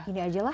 ini aja lah